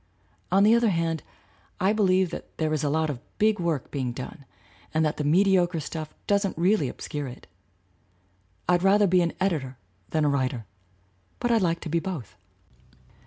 On the other hand, I believe that there is a lot of big work being done and that the mediocre stuff doesn't really obscure it. I'd rather be an editor than a writer, but I like to be both.